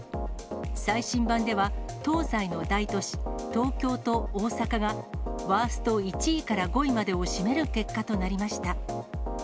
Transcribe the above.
最新版では、東西の大都市、東京と大阪が、ワースト１位から５位までを占める結果となりました。